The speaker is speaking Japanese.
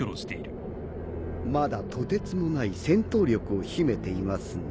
まだとてつもない戦闘力を秘めていますね。